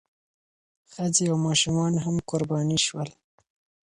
ښځې او ماشومان هم قرباني شول.